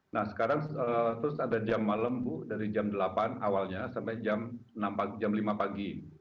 nah sekarang terus ada jam malam bu dari jam delapan awalnya sampai jam lima pagi